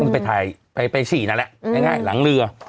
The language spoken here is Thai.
ไปถ่ายไปฉี่นั่นแหละง่ายหลังเรือ